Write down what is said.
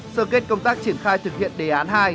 sơ kết công tác triển khai thực hiện đề án hai